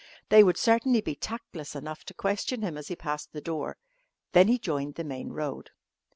They would certainly be tactless enough to question him as he passed the door. Then he joined the main road.